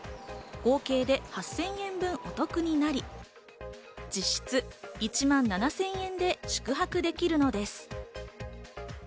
合計で８０００円分お得になり、実質１万７０００円で宿泊できるのです。